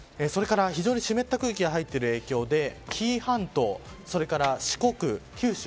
非常に湿った空気が入っている影響で紀伊半島、四国、九州